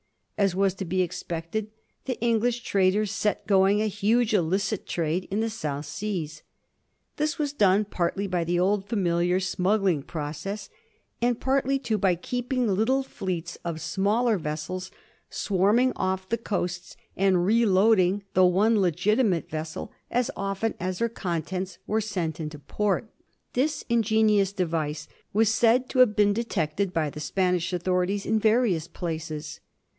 As was to be expected, the English traders set going a huge illicit trade in the South Seas. This was done partly by the old familiar smuggling process, and partly, too, by keeping little fleets of smaller vessels swarming off the coasts and reloading the one legitimate vessel as often as her contents were sent into a port. This ingenious device was said to have been detected by the Spanish authorities in various places.